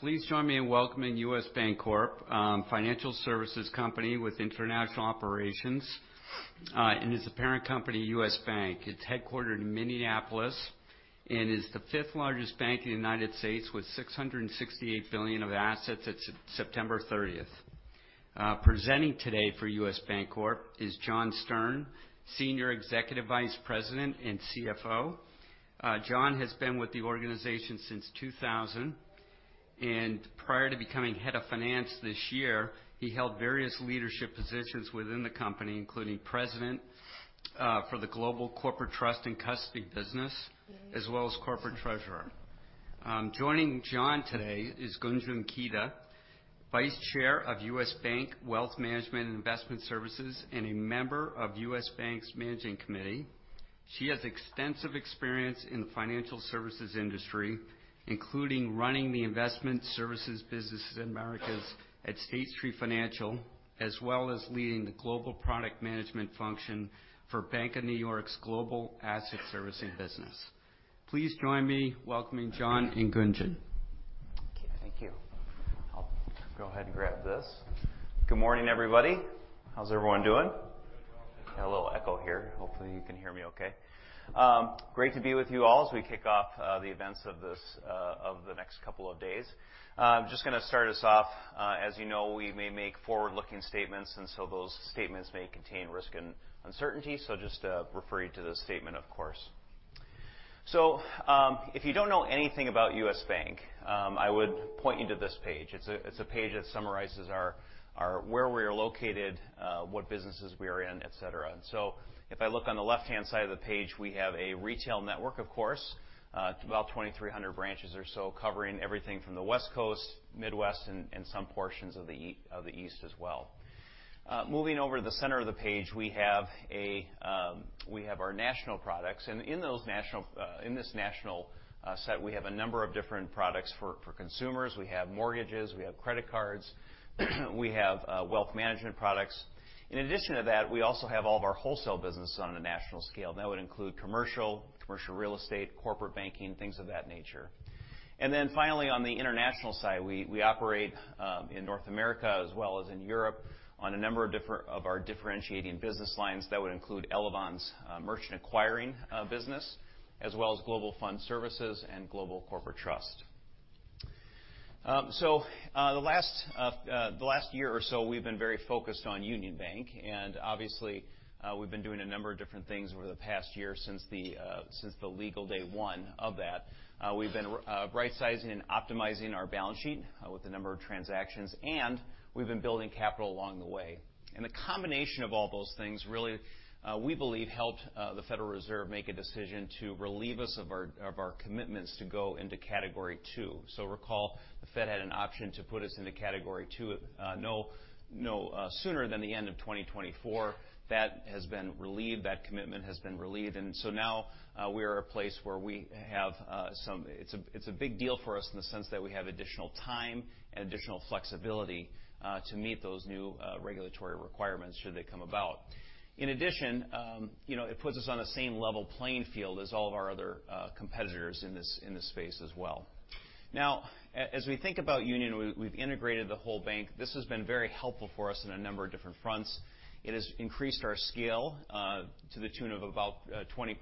Please join me in welcoming U.S. Bancorp, financial services company with international operations, and its parent company, U.S. Bank. It's headquartered in Minneapolis and is the fifth largest bank in the United States, with $668 billion of assets at September 30th. Presenting today for U.S. Bancorp is John Stern, Senior Executive Vice President and CFO. John has been with the organization since 2000, and prior to becoming head of finance this year, he held various leadership positions within the company, including president for the Global Corporate Trust and Custody business, as well as corporate treasurer. Joining John today is Gunjan Kedia, vice chair of U.S. Bank Wealth Management and Investment Services, and a member of U.S. Bank's Managing Committee. She has extensive experience in the financial services industry, including running the investment services businesses in Americas at State Street Financial, as well as leading the global product management function for Bank of New York's global asset servicing business. Please join me in welcoming John and Gunjan. Thank you. I'll go ahead and grab this. Good morning, everybody. How's everyone doing? I get a little echo here. Hopefully, you can hear me okay. Great to be with you all as we kick off the events of the next couple of days. I'm just going to start us off. As you know, we may make forward-looking statements, and so those statements may contain risk and uncertainty, so just refer you to the statement, of course. So, if you don't know anything about U.S. Bank, I would point you to this page. It's a page that summarizes our where we are located, what businesses we are in, et cetera. So if I look on the left-hand side of the page, we have a retail network, of course, about 2,300 branches or so, covering everything from the West Coast, Midwest, and some portions of the East as well. Moving over to the center of the page, we have our national products, and in those national, in this national set, we have a number of different products for consumers. We have mortgages, we have credit cards, we have wealth management products. In addition to that, we also have all of our wholesale businesses on a national scale. That would include commercial real estate, corporate banking, things of that nature. And then finally, on the international side, we operate in North America as well as in Europe on a number of our differentiating business lines. That would include Elavon's merchant acquiring business, as well as Global Fund Services and Global Corporate Trust. So, the last year or so, we've been very focused on Union Bank, and obviously, we've been doing a number of different things over the past year since the legal day one of that. We've been rightsizing and optimizing our balance sheet with a number of transactions, and we've been building capital along the way. And the combination of all those things really, we believe, helped the Federal Reserve make a decision to relieve us of our commitments to go into Category Two. So recall, the Fed had an option to put us into Category Two sooner than the end of 2024. That has been relieved. That commitment has been relieved. And so now, we are at a place where we have some... It's a, it's a big deal for us in the sense that we have additional time and additional flexibility to meet those new regulatory requirements, should they come about. In addition, you know, it puts us on the same level playing field as all of our other competitors in this, in this space as well. Now, as we think about Union, we, we've integrated the whole bank. This has been very helpful for us in a number of different fronts. It has increased our scale to the tune of about 20%.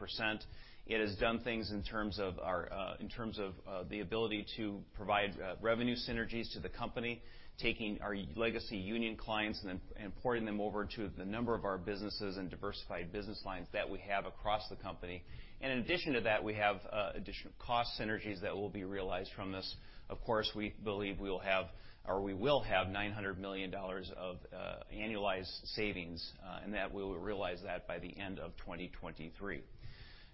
It has done things in terms of our, in terms of, the ability to provide, revenue synergies to the company, taking our legacy Union clients and then, and porting them over to the number of our businesses and diversified business lines that we have across the company. In addition to that, we have additional cost synergies that will be realized from this. Of course, we believe we will have, or we will have $900 million of annualized savings, and that we will realize that by the end of 2023.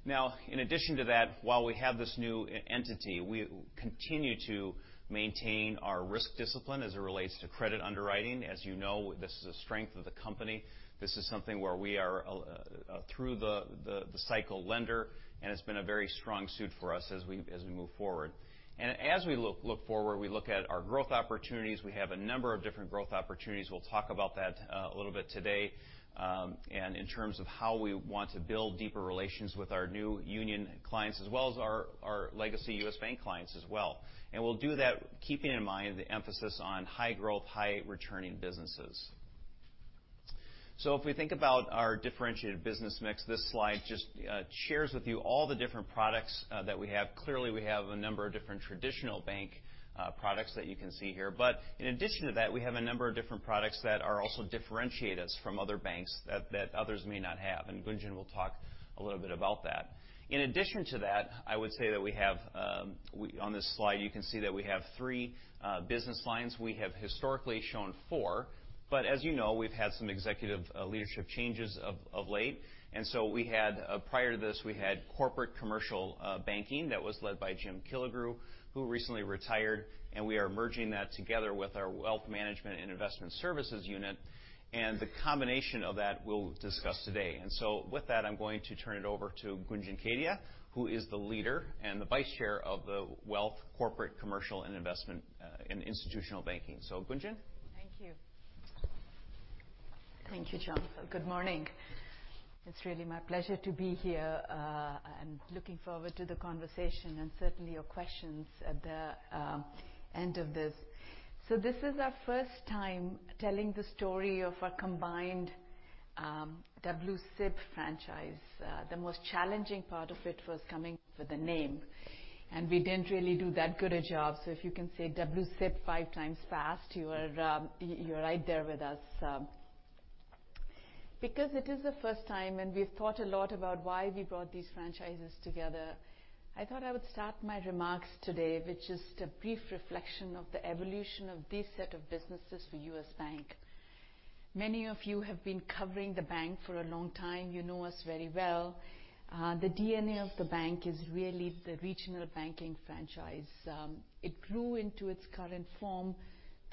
Now, in addition to that, while we have this new entity, we continue to maintain our risk discipline as it relates to credit underwriting. As you know, this is a strength of the company. This is something where we are through the cycle lender, and it's been a very strong suit for us as we move forward. As we look forward, we look at our growth opportunities. We have a number of different growth opportunities. We'll talk about that a little bit today, and in terms of how we want to build deeper relations with our new Union clients, as well as our legacy U.S. Bank clients as well. We'll do that keeping in mind the emphasis on high growth, high returning businesses. If we think about our differentiated business mix, this slide just shares with you all the different products that we have. Clearly, we have a number of different traditional bank products that you can see here, but in addition to that, we have a number of different products that are also differentiate us from other banks that others may not have, and Gunjan will talk a little bit about that. In addition to that, I would say that we have on this slide, you can see that we have three business lines. We have historically shown four, but as you know, we've had some executive leadership changes of late. And so we had prior to this, we had corporate commercial banking that was led by Jim Kelligrew, who recently retired, and we are merging that together with our wealth management and investment services unit, and the combination of that, we'll discuss today. And so with that, I'm going to turn it over to Gunjan Kedia, who is the leader and the vice chair of the Wealth, Corporate, Commercial, and Institutional Banking. So Gunjan? Thank you. Thank you, John. Good morning. It's really my pleasure to be here, and looking forward to the conversation and certainly your questions at the end of this. So this is our first time telling the story of our combined WCIB franchise. The most challenging part of it was coming up with a name, and we didn't really do that good a job. So if you can say WCIB five times fast, you are, you, you're right there with us. Because it is the first time and we've thought a lot about why we brought these franchises together, I thought I would start my remarks today, with just a brief reflection of the evolution of these set of businesses for U.S. Bank. Many of you have been covering the bank for a long time. You know us very well. The DNA of the bank is really the regional banking franchise. It grew into its current form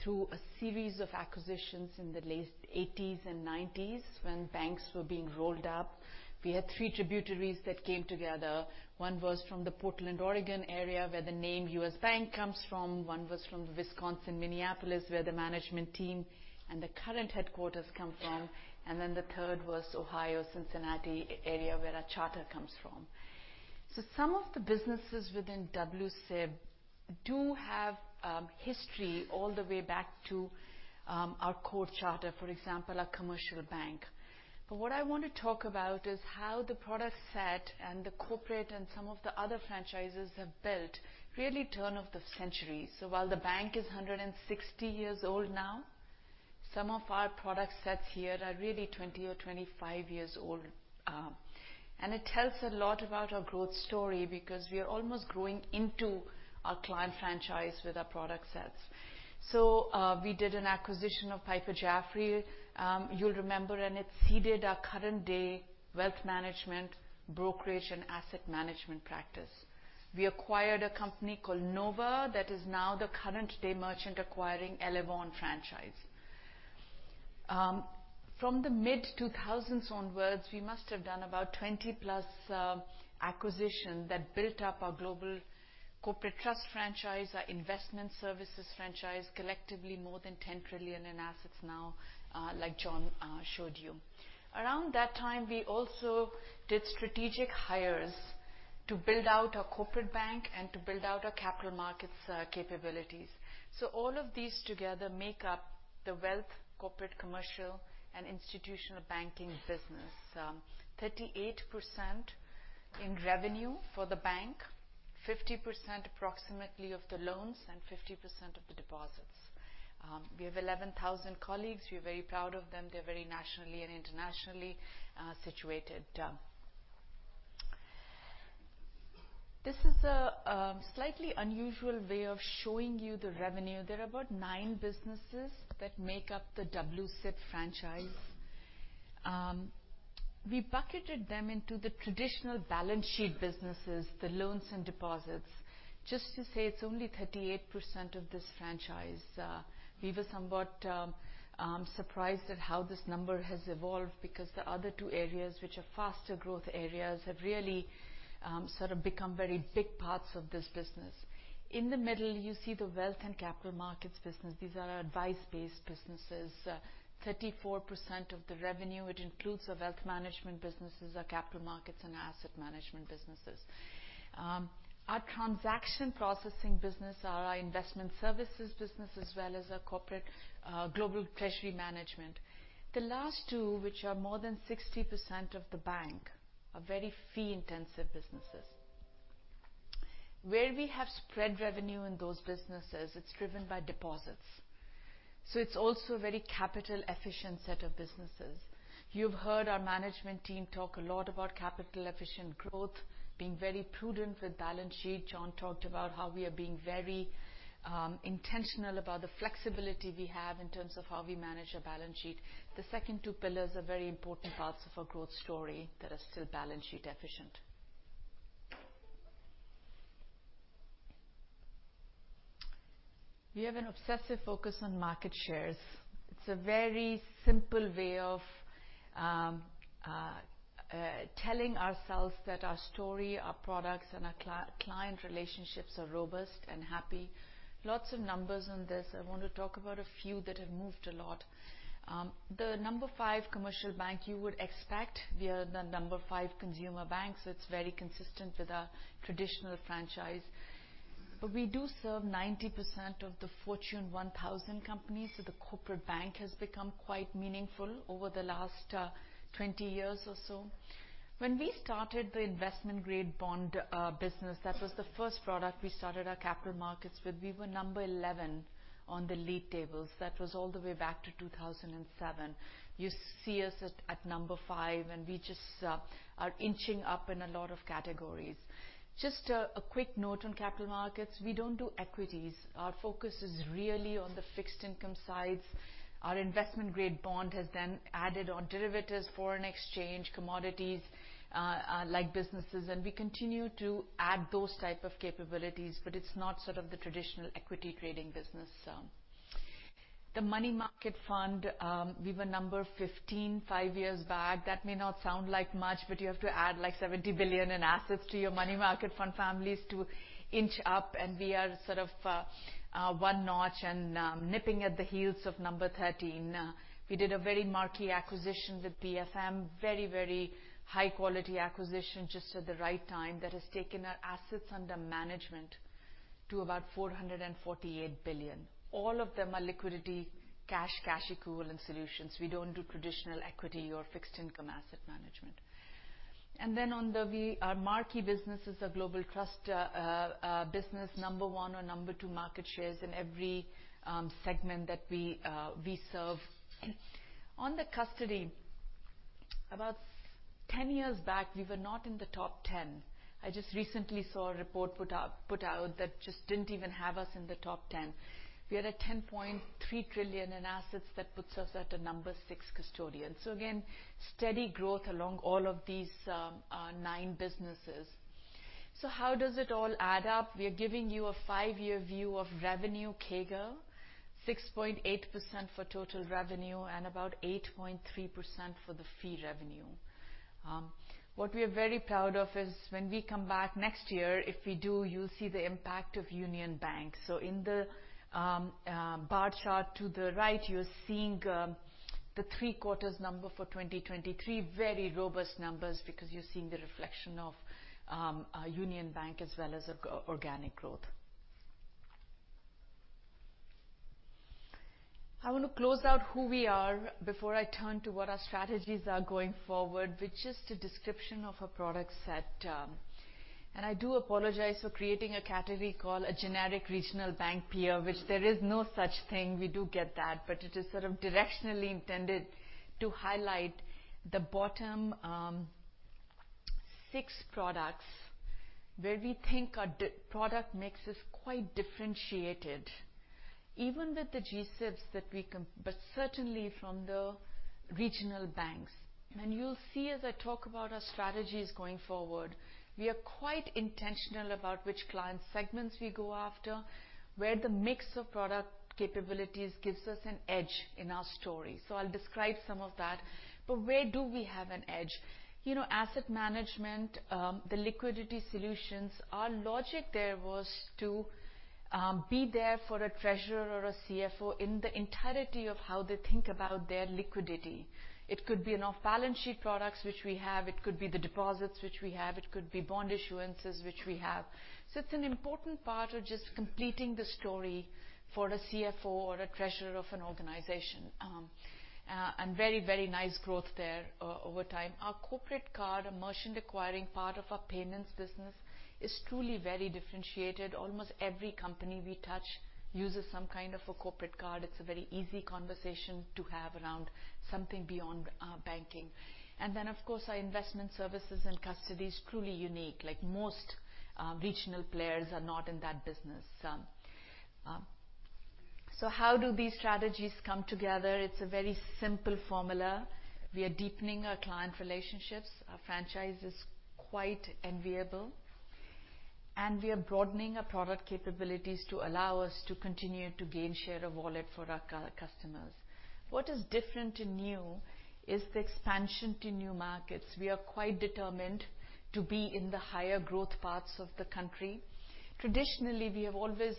through a series of acquisitions in the late 1980s and 1990s, when banks were being rolled up. We had three tributaries that came together. One was from the Portland, Oregon, area, where the name U.S. Bank comes from. One was from the Wisconsin, Minneapolis, where the management team and the current headquarters come from. And then the third was Ohio, Cincinnati area, where our charter comes from. So some of the businesses within WCIB do have history all the way back to our core charter, for example, our commercial bank. But what I want to talk about is how the product set and the corporate and some of the other franchises have built, really turn of the century. So while the bank is 160 years old now, some of our product sets here are really 20 or 25 years old. And it tells a lot about our growth story because we are almost growing into our client franchise with our product sets. So, we did an acquisition of Piper Jaffray, you'll remember, and it seeded our current day wealth management, brokerage, and asset management practice. We acquired a company called Nova, that is now the current day merchant acquiring Elavon franchise. From the mid-2000s onwards, we must have done about 20+, acquisition that built up our global corporate trust franchise, our investment services franchise, collectively, more than $10 trillion in assets now, like John showed you. Around that time, we also did strategic hires to build out our corporate bank and to build out our capital markets capabilities. All of these together make up the wealth, corporate, commercial, and institutional banking business. 38% in revenue for the bank, 50%, approximately, of the loans, and 50% of the deposits. We have 11,000 colleagues. We're very proud of them. They're very nationally and internationally situated. This is a slightly unusual way of showing you the revenue. There are about nine businesses that make up the WCIB franchise. We bucketed them into the traditional balance sheet businesses, the loans and deposits. Just to say, it's only 38% of this franchise. We were somewhat surprised at how this number has evolved, because the other two areas, which are faster growth areas, have really sort of become very big parts of this business. In the middle, you see the wealth and capital markets business. These are our advice-based businesses, 34% of the revenue, which includes our wealth management businesses, our capital markets, and asset management businesses. Our transaction processing business, our investment services business, as well as our corporate global treasury management. The last two, which are more than 60% of the bank, are very fee-intensive businesses. Where we have spread revenue in those businesses, it's driven by deposits, so it's also a very capital-efficient set of businesses. You've heard our management team talk a lot about capital-efficient growth, being very prudent with balance sheet. John talked about how we are being very intentional about the flexibility we have in terms of how we manage our balance sheet. The second two pillars are very important parts of our growth story that are still balance sheet efficient. We have an obsessive focus on market shares. It's a very simple way of telling ourselves that our story, our products, and our client relationships are robust and happy. Lots of numbers on this. I want to talk about a few that have moved a lot. The number five commercial bank, you would expect, we are the number five consumer bank, so it's very consistent with our traditional franchise. But we do serve 90% of the Fortune 1000 companies, so the corporate bank has become quite meaningful over the last 20 years or so. When we started the investment-grade bond business, that was the first product we started our capital markets with. We were number 11 on the lead tables. That was all the way back to 2007. You see us at number five, and we just are inching up in a lot of categories. Just a quick note on capital markets, we don't do equities. Our focus is really on the fixed income sides. Our investment-grade bond has then added on derivatives, foreign exchange, commodities, like businesses, and we continue to add those type of capabilities, but it's not sort of the traditional equity trading business. The money market fund, we were number 15 five years back. That may not sound like much, but you have to add, like, $70 billion in assets to your money market fund families to inch up, and we are sort of one notch and nipping at the heels of number 13. We did a very marquee acquisition with PFM. Very, very high-quality acquisition, just at the right time, that has taken our assets under management to about $448 billion. All of them are liquidity, cash, cash equivalent solutions. We don't do traditional equity or fixed income asset management. And then our marquee business is a global trust business, number one or number two market shares in every segment that we serve. On the custody, about 10 years back, we were not in the top 10. I just recently saw a report put out that just didn't even have us in the top 10. We are at $10.3 trillion in assets. That puts us at a number six custodian. So again, steady growth along all of these nine businesses. So how does it all add up? We are giving you a five-year view of revenue CAGR, 6.8% for total revenue and about 8.3% for the fee revenue. What we are very proud of is when we come back next year, if we do, you'll see the impact of Union Bank. So in the bar chart to the right, you're seeing the three-quarters number for 2023. Very robust numbers because you're seeing the reflection of Union Bank as well as organic growth. I want to close out who we are before I turn to what our strategies are going forward, which is the description of our product set. I do apologize for creating a category called a generic regional bank peer, which there is no such thing. We do get that, but it is sort of directionally intended to highlight the bottom six products where we think our product mix is quite differentiated, even with the G-SIBs that we, but certainly from the regional banks. You'll see as I talk about our strategies going forward, we are quite intentional about which client segments we go after, where the mix of product capabilities gives us an edge in our story. So I'll describe some of that. But where do we have an edge? You know, asset management, the liquidity solutions, our logic there was to be there for a treasurer or a CFO in the entirety of how they think about their liquidity. It could be off-balance sheet products, which we have. It could be the deposits, which we have. It could be bond issuances, which we have. So it's an important part of just completing the story for a CFO or a treasurer of an organization. And very, very nice growth there over time. Our corporate card, a merchant acquiring part of our payments business, is truly very differentiated. Almost every company we touch uses some kind of a corporate card. It's a very easy conversation to have around something beyond banking. And then, of course, our investment services and custody is truly unique, like most regional players are not in that business. So how do these strategies come together? It's a very simple formula. We are deepening our client relationships. Our franchise is quite enviable, and we are broadening our product capabilities to allow us to continue to gain share of wallet for our customers. What is different and new is the expansion to new markets. We are quite determined to be in the higher growth parts of the country. Traditionally, we have always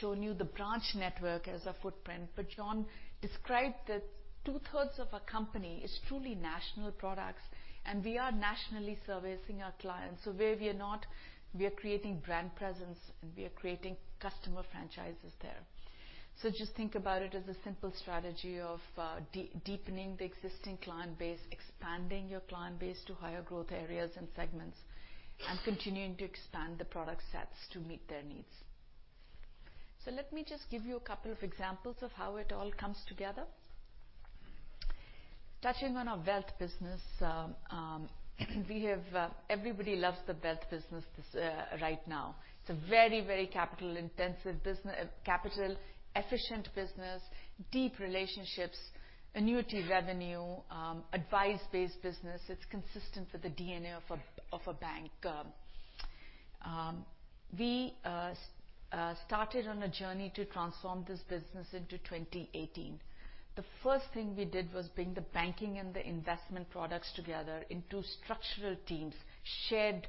shown you the branch network as a footprint, but John described that two-thirds of our company is truly national products, and we are nationally servicing our clients. So where we are not, we are creating brand presence, and we are creating customer franchises there. So just think about it as a simple strategy of deepening the existing client base, expanding your client base to higher growth areas and segments, and continuing to expand the product sets to meet their needs. So let me just give you a couple of examples of how it all comes together. Touching on our wealth business, we have... Everybody loves the wealth business, right now. It's a very, very capital-intensive business- capital-efficient business, deep relationships, annuity revenue, advice-based business. It's consistent with the DNA of a bank. We started on a journey to transform this business in 2018. The first thing we did was bring the banking and the investment products together into structural teams, shared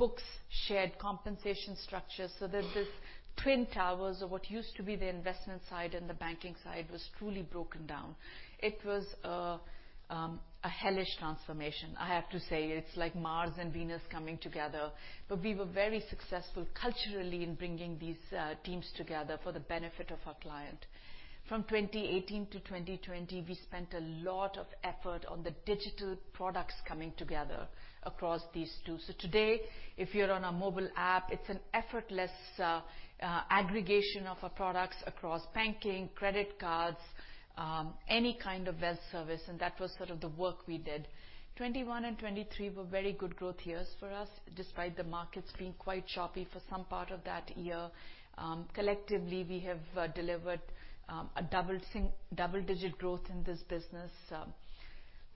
books, shared compensation structures, so that this twin towers of what used to be the investment side and the banking side was truly broken down. It was a hellish transformation, I have to say. It's like Mars and Venus coming together, but we were very successful culturally in bringing these teams together for the benefit of our client. From 2018 to 2020, we spent a lot of effort on the digital products coming together across these two. So today, if you're on our mobile app, it's an effortless aggregation of our products across banking, credit cards, any kind of wealth service, and that was sort of the work we did. 2021 and 2023 were very good growth years for us, despite the markets being quite choppy for some part of that year. Collectively, we have delivered a double-digit growth in this business.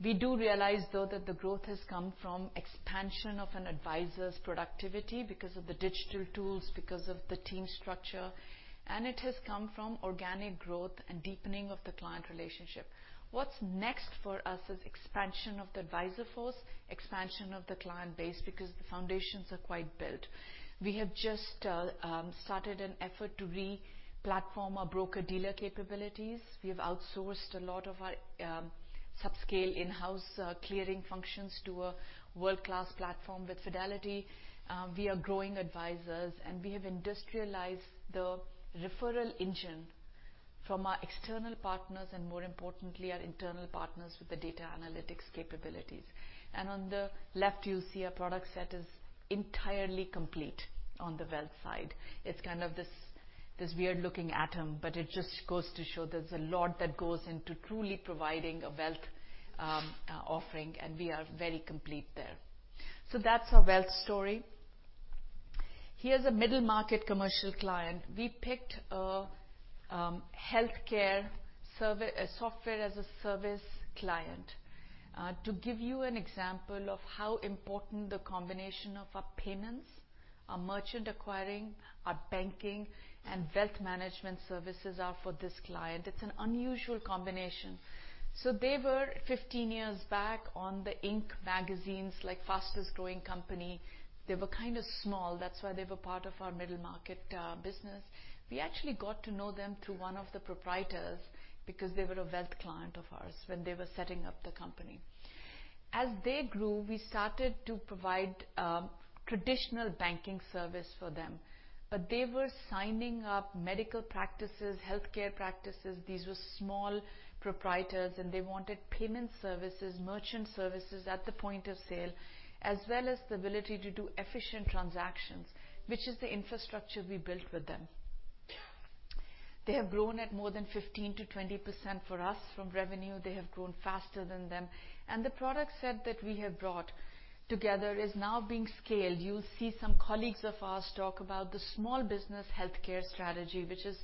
We do realize, though, that the growth has come from expansion of an advisor's productivity because of the digital tools, because of the team structure, and it has come from organic growth and deepening of the client relationship. What's next for us is expansion of the advisor force, expansion of the client base, because the foundations are quite built. We have just started an effort to re-platform our broker-dealer capabilities. We have outsourced a lot of our subscale in-house clearing functions to a world-class platform with Fidelity. We are growing advisors, and we have industrialized the referral engine from our external partners and, more importantly, our internal partners with the data analytics capabilities. On the left, you'll see our product set is entirely complete on the wealth side. It's kind of this weird-looking atom, but it just goes to show there's a lot that goes into truly providing a wealth offering, and we are very complete there. So that's our wealth story. Here's a middle-market commercial client. We picked a healthcare Software-as-a-Service client to give you an example of how important the combination of our payments, our merchant acquiring, our banking, and wealth management services are for this client. It's an unusual combination. So they were 15 years back on the Inc. magazine's, like, fastest-growing company. They were kind of small, that's why they were part of our middle-market business. We actually got to know them through one of the proprietors because they were a wealth client of ours when they were setting up the company. As they grew, we started to provide traditional banking service for them, but they were signing up medical practices, healthcare practices. These were small proprietors, and they wanted payment services, merchant services at the point of sale, as well as the ability to do efficient transactions, which is the infrastructure we built with them. They have grown at more than 15%-20% for us from revenue. They have grown faster than them, and the product set that we have brought together is now being scaled. You'll see some colleagues of ours talk about the small business healthcare strategy, which is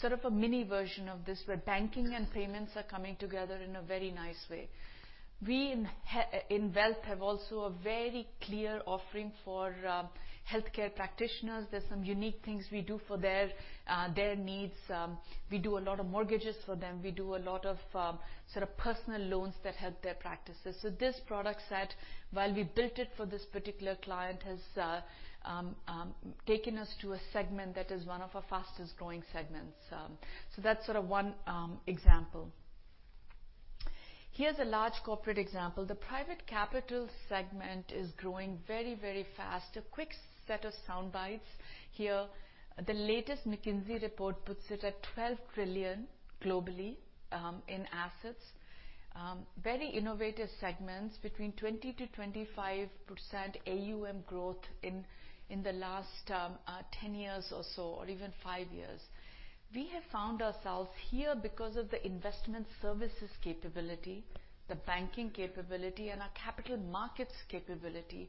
sort of a mini version of this, where banking and payments are coming together in a very nice way. We in wealth have also a very clear offering for healthcare practitioners. There's some unique things we do for their needs. We do a lot of mortgages for them. We do a lot of sort of personal loans that help their practices. So this product set, while we built it for this particular client, has taken us to a segment that is one of our fastest-growing segments. So that's sort of one example. Here's a large corporate example. The private capital segment is growing very, very fast. A quick set of soundbites here. The latest McKinsey report puts it at $12 trillion globally in assets. Very innovative segments, between 20%-25% AUM growth in the last 10 years or so, or even five years. We have found ourselves here because of the investment services capability, the banking capability, and our capital markets capability,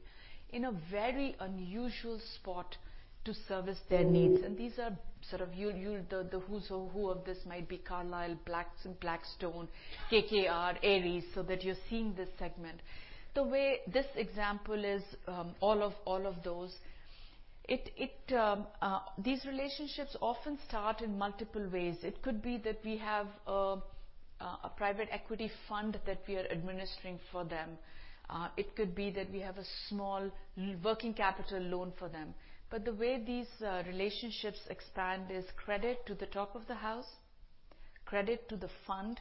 in a very unusual spot to service their needs. These are sort of the who's who of this might be Carlyle, Blackstone, KKR, Ares, so that you're seeing this segment. The way this example is, all of those. These relationships often start in multiple ways. It could be that we have a private equity fund that we are administering for them. It could be that we have a small working capital loan for them. But the way these relationships expand is credit to the top of the house, credit to the fund,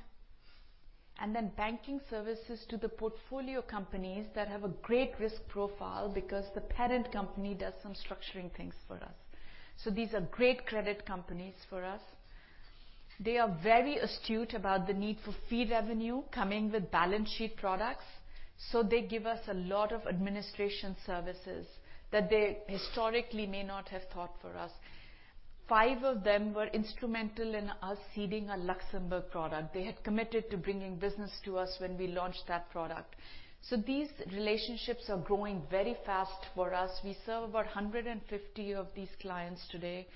and then banking services to the portfolio companies that have a great risk profile because the parent company does some structuring things for us. So these are great credit companies for us. They are very astute about the need for fee revenue coming with balance sheet products, so they give us a lot of administration services that they historically may not have thought for us. Five of them were instrumental in us seeding our Luxembourg product. They had committed to bringing business to us when we launched that product. So these relationships are growing very fast for us. We serve about 150 of these clients today.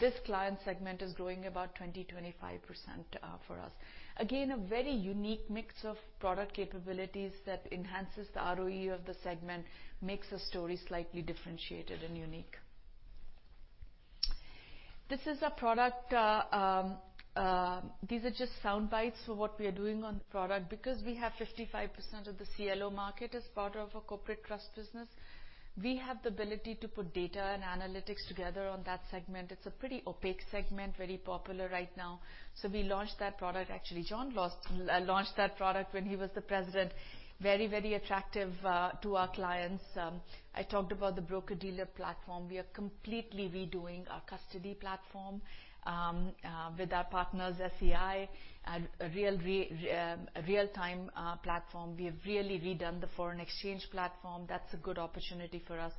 This client segment is growing about 20%-25% for us. Again, a very unique mix of product capabilities that enhances the ROE of the segment, makes the story slightly differentiated and unique. This is a product. These are just soundbites for what we are doing on the product. Because we have 55% of the CLO market as part of our corporate trust business, we have the ability to put data and analytics together on that segment. It's a pretty opaque segment, very popular right now. So we launched that product. Actually, John launched that product when he was the president. Very, very attractive to our clients. I talked about the broker-dealer platform. We are completely redoing our custody platform with our partners, Fidelity, a real-time platform. We have really redone the foreign exchange platform. That's a good opportunity for us,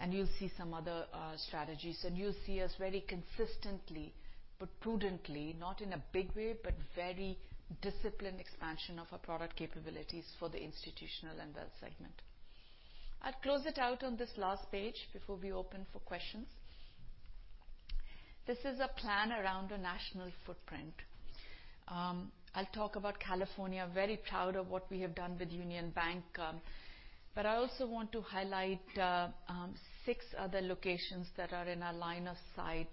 and you'll see some other strategies. You'll see us very consistently, but prudently, not in a big way, but very disciplined expansion of our product capabilities for the institutional and wealth segment. I'll close it out on this last page before we open for questions. This is a plan around a national footprint. I'll talk about California. Very proud of what we have done with Union Bank, but I also want to highlight six other locations that are in our line of sight,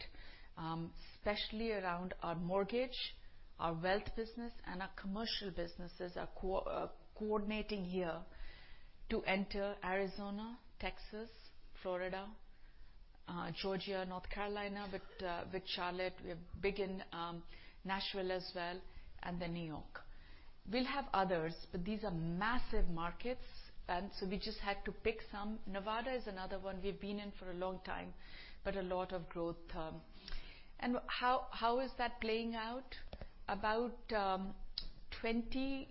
especially around our mortgage, our wealth business, and our commercial businesses are coordinating here to enter Arizona, Texas, Florida, Georgia, North Carolina, with Charlotte, we have big in Nashville as well, and then New York. We'll have others, but these are massive markets, and so we just had to pick some. Nevada is another one we've been in for a long time, but a lot of growth term. How is that playing out? About 20%-30%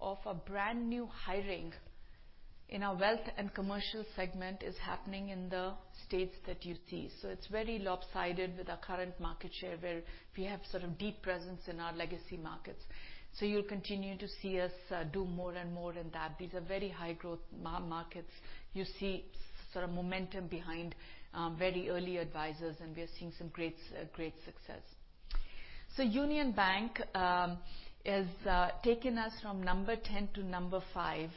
of our brand-new hiring in our wealth and commercial segment is happening in the states that you see. So it's very lopsided with our current market share, where we have sort of deep presence in our legacy markets. So you'll continue to see us do more and more in that. These are very high-growth markets. You see sort of momentum behind very early advisors, and we are seeing some great success. So Union Bank has taken us from number 10 to number five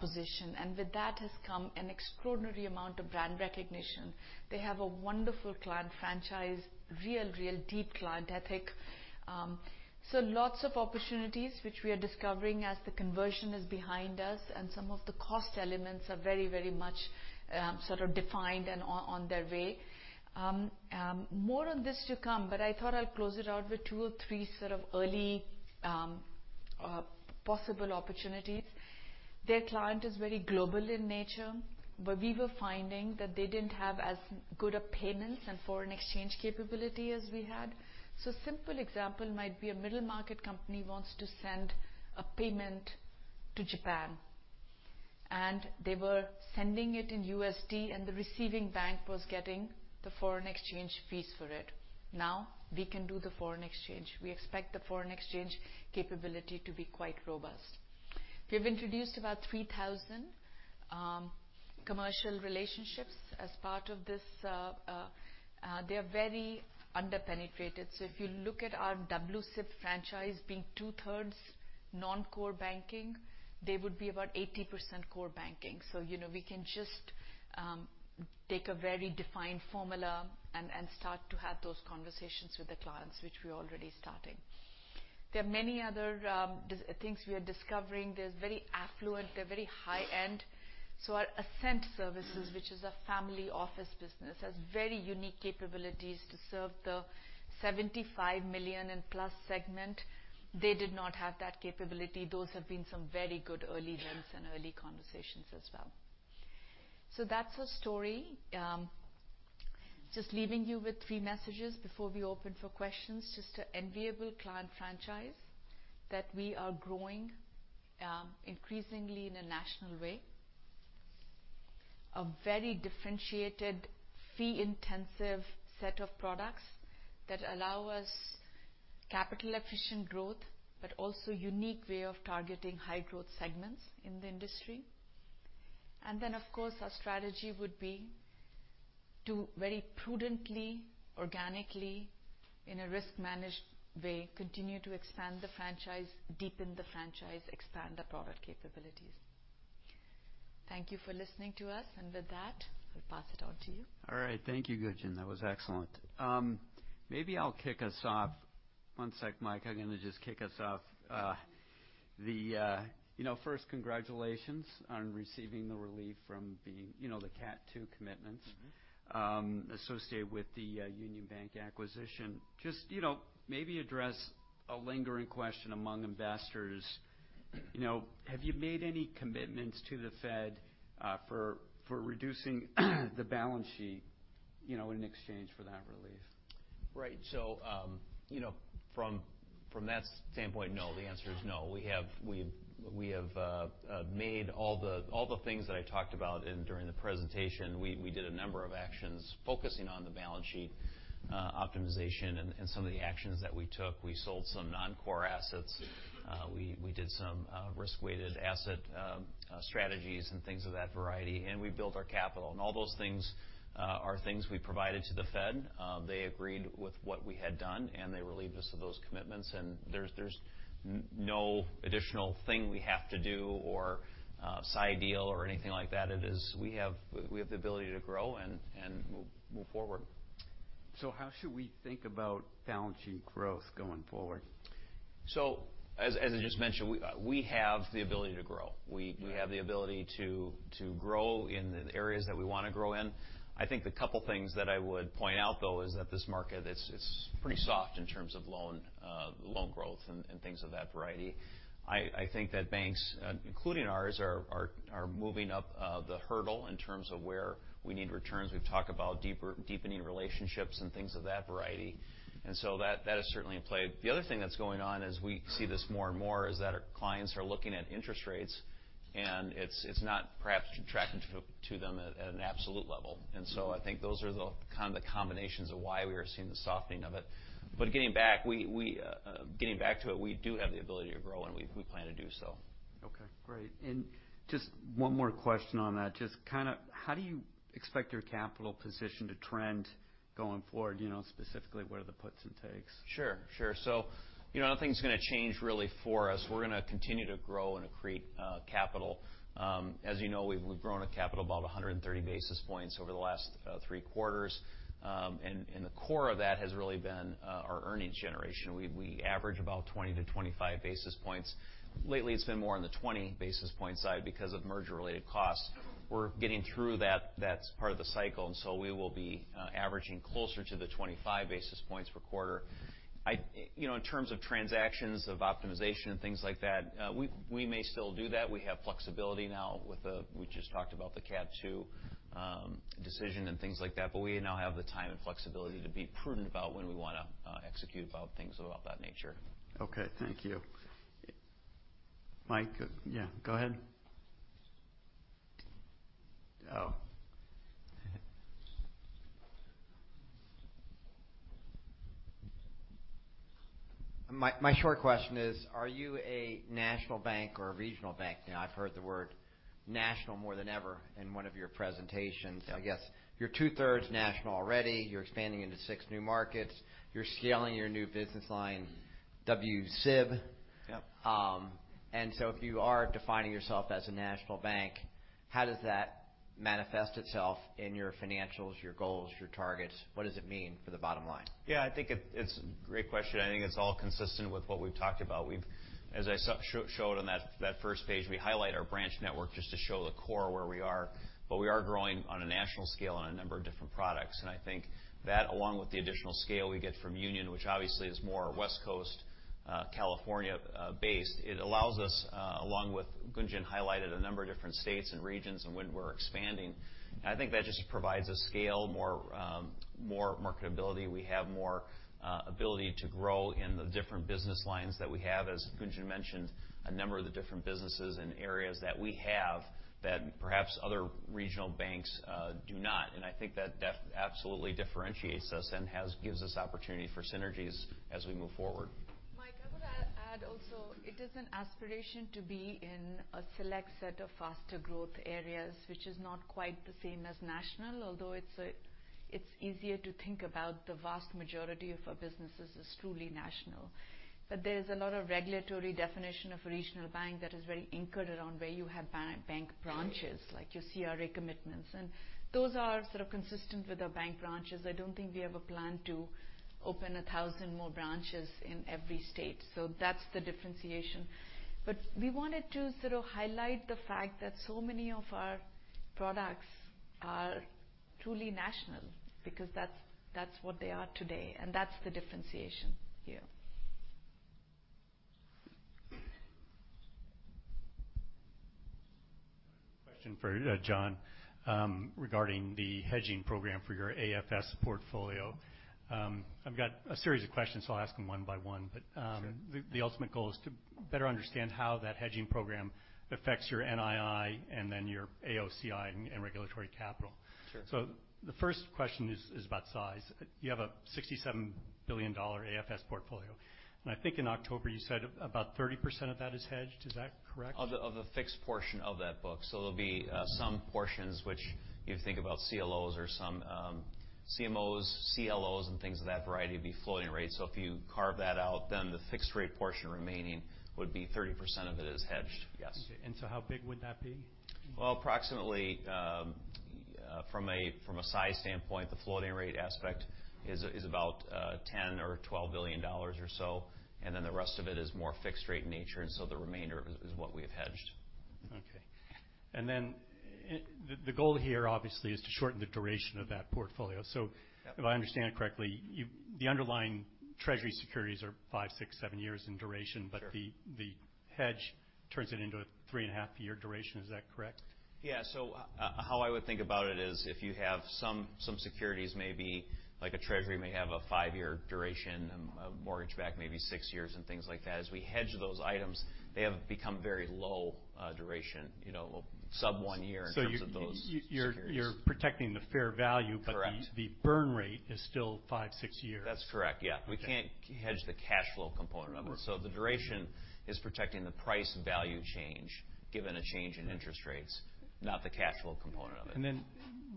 position, and with that has come an extraordinary amount of brand recognition. They have a wonderful client franchise, real, real deep client ethic. So lots of opportunities which we are discovering as the conversion is behind us, and some of the cost elements are very, very much, sort of defined and on, on their way. More on this to come, but I thought I'd close it out with two or three sort of early, possible opportunities. Their client is very global in nature, but we were finding that they didn't have as good a payments and foreign exchange capability as we had. So simple example might be a middle-market company wants to send a payment to Japan, and they were sending it in USD, and the receiving bank was getting the foreign exchange fees for it. Now we can do the foreign exchange. We expect the foreign exchange capability to be quite robust. We've introduced about 3,000 commercial relationships as part of this. They are very under-penetrated. So if you look at our WCIB franchise being two-thirds non-core banking, they would be about 80% core banking. So, you know, we can just take a very defined formula and start to have those conversations with the clients, which we're already starting. There are many other things we are discovering. They're very affluent, they're very high-end, so our Ascent services, which is a family office business, has very unique capabilities to serve the $75 million and plus segment. They did not have that capability. Those have been some very good early wins and early conversations as well. So that's our story. Just leaving you with three messages before we open for questions. Just an enviable client franchise, that we are growing increasingly in a national way. A very differentiated, fee-intensive set of products that allow us capital-efficient growth, but also unique way of targeting high-growth segments in the industry. And then, of course, our strategy would be to very prudently, organically, in a risk-managed way, continue to expand the franchise, deepen the franchise, expand the product capabilities. Thank you for listening to us, and with that, I'll pass it on to you. All right. Thank you, Gunjan. That was excellent. Maybe I'll kick us off. One sec, Mike. I'm gonna just kick us off. You know, first, congratulations on receiving the relief from the, you know, the CAT 2 commitments- Mm-hmm. Associated with the Union Bank acquisition. Just, you know, maybe address a lingering question among investors: You know, have you made any commitments to the Fed for reducing the balance sheet, you know, in exchange for that relief? Right. So, you know, from that standpoint, no. The answer is no. We have made all the things that I talked about during the presentation. We did a number of actions focusing on the balance sheet optimization and some of the actions that we took. We sold some non-core assets, we did some risk-weighted asset strategies and things of that variety, and we built our capital. And all those things are things we provided to the Fed. They agreed with what we had done, and they relieved us of those commitments, and there's no additional thing we have to do or side deal or anything like that. It is- We have the ability to grow and move forward. So how should we think about balance sheet growth going forward?... So as I just mentioned, we have the ability to grow. We have the ability to grow in the areas that we want to grow in. I think the couple things that I would point out, though, is that this market is pretty soft in terms of loan growth and things of that variety. I think that banks, including ours, are moving up the hurdle in terms of where we need returns. We've talked about deepening relationships and things of that variety. And so that is certainly in play. The other thing that's going on is we see this more and more, is that our clients are looking at interest rates, and it's not perhaps attracting to them at an absolute level. So I think those are the kind of the combinations of why we are seeing the softening of it. But getting back to it, we do have the ability to grow, and we plan to do so. Okay, great. Just one more question on that. Just kind of how do you expect your capital position to trend going forward? You know, specifically, what are the puts and takes? Sure, sure. So, you know, nothing's going to change really for us. We're going to continue to grow and accrete capital. As you know, we've grown our capital about 130 basis points over the last three quarters. And the core of that has really been our earnings generation. We average about 20-25 basis points. Lately, it's been more on the 20 basis point side because of merger-related costs. We're getting through that. That's part of the cycle, and so we will be averaging closer to the 25 basis points per quarter. You know, in terms of transactions, of optimization, and things like that, we may still do that. We have flexibility now with the... We just talked about the CAT 2 decision and things like that, but we now have the time and flexibility to be prudent about when we want to execute about things of about that nature. Okay, thank you. Mike, yeah, go ahead. Oh. My short question is, are you a national bank or a regional bank? Now, I've heard the word national more than ever in one of your presentations. Yeah. I guess you're two-thirds national already. You're expanding into six new markets. You're scaling your new business line, WCIB. Yep. And so if you are defining yourself as a national bank, how does that manifest itself in your financials, your goals, your targets? What does it mean for the bottom line? Yeah, I think it's a great question. I think it's all consistent with what we've talked about. We've as I showed on that first page, we highlight our branch network just to show the core where we are, but we are growing on a national scale on a number of different products. And I think that, along with the additional scale we get from Union, which obviously is more West Coast, California based, it allows us, along with, Gunjan highlighted a number of different states and regions and when we're expanding. I think that just provides a scale, more marketability. We have more ability to grow in the different business lines that we have, as Gunjan mentioned, a number of the different businesses and areas that we have that perhaps other regional banks do not. And I think that definitely absolutely differentiates us and gives us opportunity for synergies as we move forward. Mike, I would add also, it is an aspiration to be in a select set of faster growth areas, which is not quite the same as national, although it's easier to think about the vast majority of our businesses as truly national. But there's a lot of regulatory definition of regional bank that is very anchored around where you have bank branches, like your CRA commitments, and those are sort of consistent with our bank branches. I don't think we have a plan to open 1,000 more branches in every state, so that's the differentiation. But we wanted to sort of highlight the fact that so many of our products are truly national because that's what they are today, and that's the differentiation here. Question for John, regarding the hedging program for your AFS portfolio. I've got a series of questions, so I'll ask them one by one. Sure. But, the ultimate goal is to better understand how that hedging program affects your NII and then your AOCI and regulatory capital. Sure. The first question is about size. You have a $67 billion AFS portfolio, and I think in October, you said about 30% of that is hedged. Is that correct? Of the fixed portion of that book. So there'll be some portions which you think about CLOs or some CMOs, CLOs, and things of that variety, would be floating rates. So if you carve that out, then the fixed rate portion remaining would be 30% of it is hedged, yes. Okay. And so how big would that be? Well, approximately, from a size standpoint, the floating rate aspect is about $10 billion-$12 billion or so, and then the rest of it is more fixed rate in nature, and so the remainder is what we have hedged. Okay. And then the goal here obviously is to shorten the duration of that portfolio. Yep. So if I understand correctly, the underlying Treasury securities are five, six, seven years in duration. Sure. But the hedge turns it into a three and a half-year duration. Is that correct? Yeah. So how I would think about it is, if you have some securities may be, like a Treasury, may have a five-year duration, a mortgage-backed may be six years, and things like that. As we hedge those items, they have become very low duration, you know, sub one year in terms of those securities. So you're protecting the fair value- Correct. but the burn rate is still five-six years. That's correct, yeah. Okay. We can't hedge the cash flow component of it. Mm-hmm. The duration is protecting the price value change, given a change in interest rates, not the cash flow component of it. Then,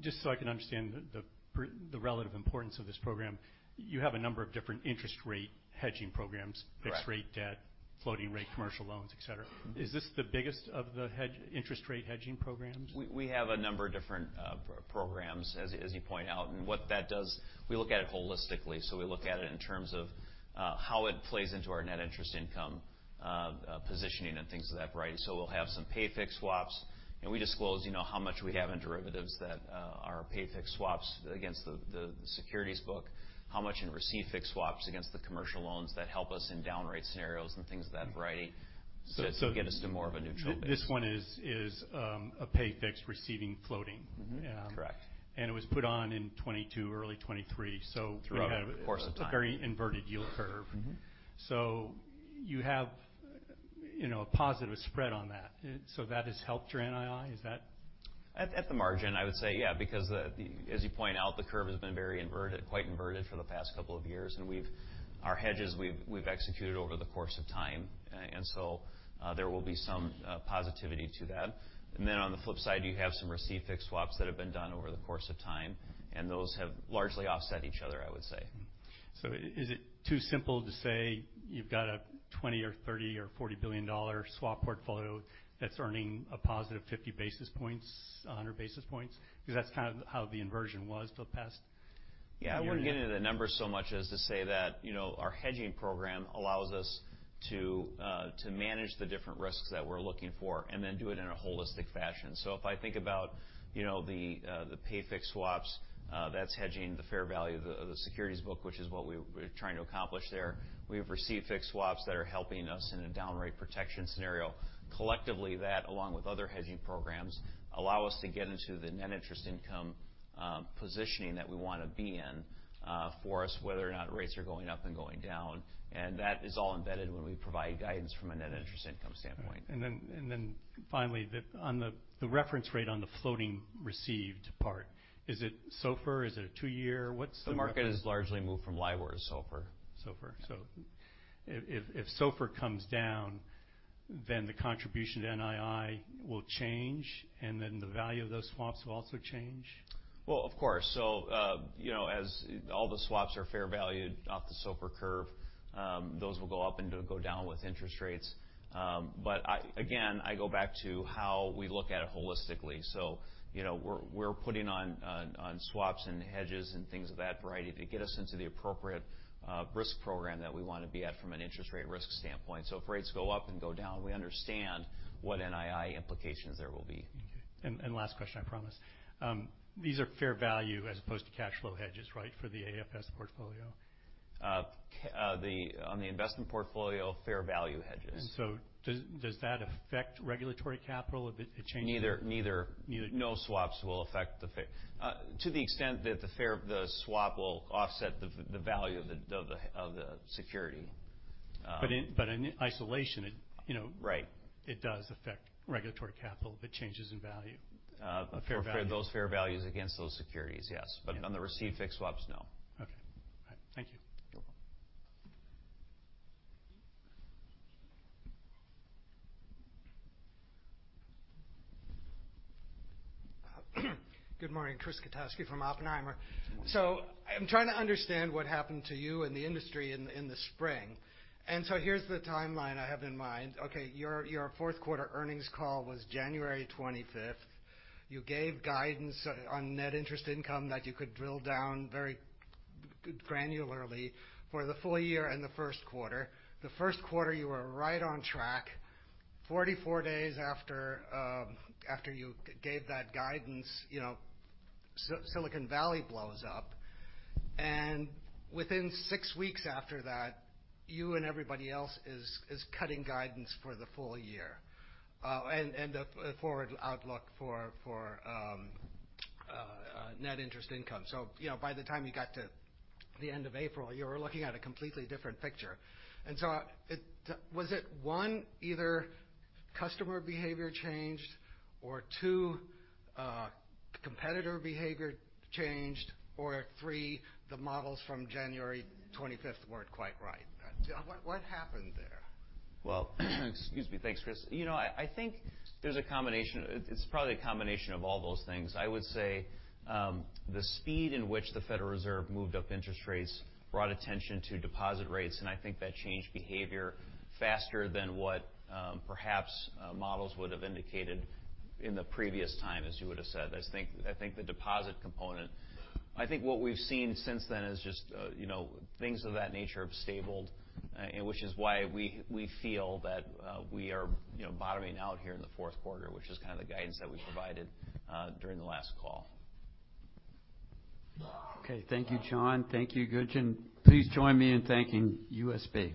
just so I can understand the relative importance of this program, you have a number of different interest rate hedging programs. Correct. Fixed rate debt? ... floating rate, commercial loans, et cetera. Is this the biggest of the hedge, interest rate hedging programs? We have a number of different programs, as you point out. What that does, we look at it holistically. So we look at it in terms of how it plays into our net interest income, positioning and things of that variety. So we'll have some pay-fixed swaps, and we disclose, you know, how much we have in derivatives that are pay-fixed swaps against the securities book. How much in receive-fixed swaps against the commercial loans that help us in down rate scenarios and things of that variety to get us to more of a neutral base. This one is a pay fixed receiving floating? Mm-hmm. Correct. It was put on in 2022, early 2023, so- Throughout the course of time. a very inverted yield curve. Mm-hmm. So you have, you know, a positive spread on that. So that has helped your NII? Is that- At the margin, I would say yeah, because as you point out, the curve has been very inverted, quite inverted for the past couple of years, and we've executed our hedges over the course of time. And so, there will be some positivity to that. And then, on the flip side, you have some receive fixed swaps that have been done over the course of time, and those have largely offset each other, I would say. So is it too simple to say you've got a $20 or $30 or $40 billion swap portfolio that's earning a positive 50 basis points, 100 basis points? Because that's kind of how the inversion was the past year. Yeah, I wouldn't get into the numbers so much as to say that, you know, our hedging program allows us to, to manage the different risks that we're looking for, and then do it in a holistic fashion. So if I think about, you know, the, the pay fixed swaps, that's hedging the fair value of the, the securities book, which is what we, we're trying to accomplish there. We have receive fixed swaps that are helping us in a down rate protection scenario. Collectively, that, along with other hedging programs, allow us to get into the net interest income positioning that we want to be in, for us, whether or not rates are going up and going down, and that is all embedded when we provide guidance from a net interest income standpoint. And then finally, on the reference rate on the floating received part, is it SOFR? Is it a two-year? What's the- The market has largely moved from LIBOR to SOFR. SOFR. So if SOFR comes down, then the contribution to NII will change, and then the value of those swaps will also change? Well, of course. So, you know, as all the swaps are fair valued off the SOFR curve, those will go up and go down with interest rates. But I, again, I go back to how we look at it holistically. So, you know, we're, we're putting on, on, on swaps and hedges and things of that variety to get us into the appropriate, risk program that we want to be at from an interest rate risk standpoint. So if rates go up and go down, we understand what NII implications there will be. Okay, and last question, I promise. These are fair value as opposed to cash flow hedges, right? For the AFS portfolio. On the investment portfolio, fair value hedges. And so does that affect regulatory capital if it changes? Neither, neither. Neither. No swaps will affect the fair... to the extent that the fair, the swap will offset the, the value of the, of the, of the security. But in isolation, it, you know- Right. It does affect regulatory capital if it changes in value? For those fair values against those securities, yes. But on the receive fixed swaps, no. Okay. All right, thank you. You're welcome. Good morning, Chris Kotowski from Oppenheimer. So I'm trying to understand what happened to you and the industry in the spring. And so here's the timeline I have in mind. Okay, your fourth quarter earnings call was January 25th. You gave guidance on net interest income that you could drill down very granularly for the full year and the first quarter. The first quarter, you were right on track. 44 days after you gave that guidance, you know, Silicon Valley blows up, and within six weeks after that, you and everybody else is cutting guidance for the full year and the forward outlook for net interest income. So, you know, by the time you got to the end of April, you were looking at a completely different picture. Was it, one, either customer behavior changed, or two, competitor behavior changed, or, three, the models from January 25th weren't quite right? What, what happened there? Well, excuse me. Thanks, Chris. You know what? I think there's a combination... It's probably a combination of all those things. I would say, the speed in which the Federal Reserve moved up interest rates brought attention to deposit rates, and I think that changed behavior faster than what, perhaps, models would have indicated in the previous time, as you would have said. I think, I think the deposit component. I think what we've seen since then is just, you know, things of that nature have stabilized, and which is why we, we feel that, we are, you know, bottoming out here in the fourth quarter, which is kind of the guidance that we provided, during the last call. Okay. Thank you, John. Thank you, Gunjan. Please join me in thanking U.S. Bank.